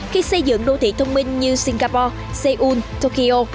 khi xây dựng đô thị thông minh như singapore seoul tokyo